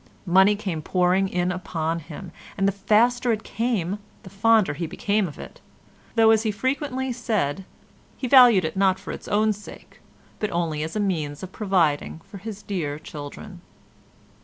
Money came pouring in upon him, and the faster it came the fonder he became of it, though, as he frequently said, he valued it not for its own sake, but only as a means of providing for his dear children.